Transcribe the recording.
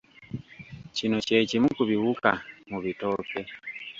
Kino kye kimu ku biwuka mu bitooke.